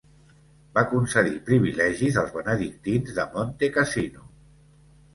Va concedir privilegis als benedictins de Montecassino.